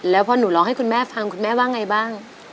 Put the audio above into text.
แล้วพอหนูร้องให้คุณแม่ฟังคุณแม่ว่าไงบ้าง